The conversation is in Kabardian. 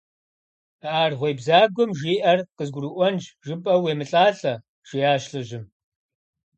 – А аргъуей бзагуэм жиӀэр къызгурыӀуэнщ жыпӀэу уемылӀалӀэ, – жиӀащ лӀыжьым.